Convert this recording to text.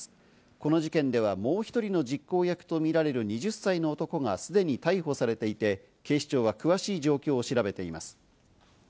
この事件ではもう１人の実行役とみられる２０歳の男がすでに逮捕されていて、警視庁は詳しい状況を調べています。